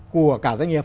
của cả doanh nghiệp